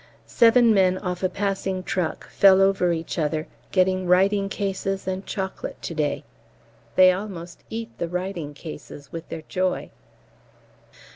Seven men off a passing truck fell over each other getting writing cases and chocolate to day. They almost eat the writing cases with their joy.